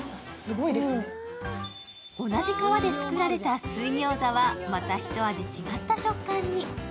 同じ皮で作られた水ギョーザは、また一味違った食感に。